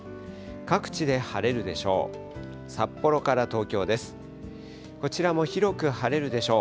各地で晴れるでしょう。